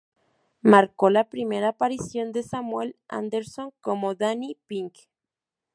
Marcó la primera aparición de Samuel Anderson como Danny Pink.